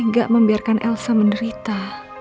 aku juga gak membiarkan elsa menderita